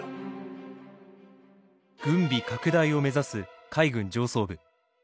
軍備拡大を目指す海軍上層部。